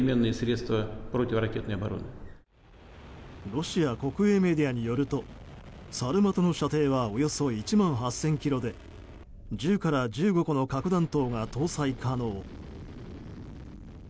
ロシア国営メディアによるとサルマトの射程はおよそ１万８０００ｋｍで１０から１５個の核弾頭が搭載可能。